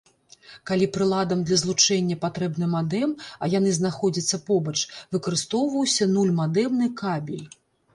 Калі прыладам для злучэння патрэбны мадэм, а яны знаходзяцца побач, выкарыстоўваўся нуль-мадэмны кабель.